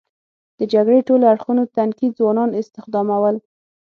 د جګړې ټولو اړخونو تنکي ځوانان استخدامول.